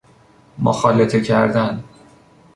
مخالطه کردن